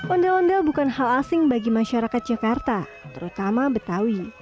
ondel ondel bukan hal asing bagi masyarakat jakarta terutama betawi